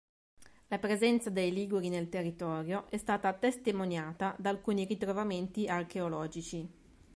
La presenza dei Liguri nel territorio è stata testimoniata da alcuni ritrovamenti archeologici.